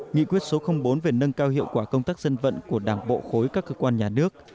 nghị quyết số bốn về nâng cao hiệu quả công tác dân vận của đảng bộ khối các cơ quan nhà nước